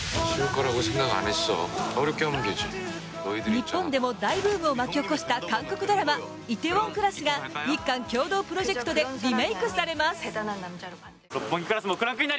日本でも大ブームを巻き起こした韓国ドラマ「梨泰院クラス」が日韓共同プロジェクトでリメイクされます。